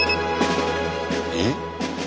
えっ？